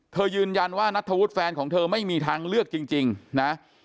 ยืนยันว่านัทธวุฒิแฟนของเธอไม่มีทางเลือกจริงนะ